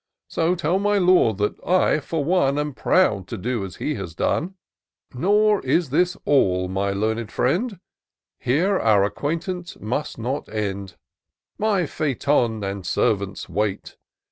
So tell my Lord, that I, for one, Am proud to do as he has done : Nor is this all, my learned friend ; Here our acquaintance must not end : My phaeton and servants wait.